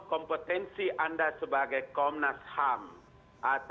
kalau kompetensi anda sebagai komnas ham atau sebagai apa lagi istilahnya itu